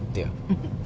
フフッ。